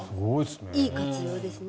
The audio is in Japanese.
いい活用ですね。